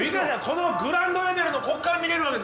このグラウンドレベルのこっから見れるわけです。